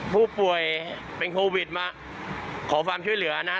ผู้ป่วยเป็นโควิดมาขอความช่วยเหลือนะ